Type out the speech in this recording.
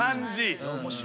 面白い。